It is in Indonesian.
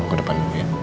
aku ke depan